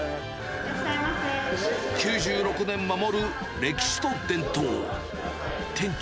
９６年守る歴史と伝統。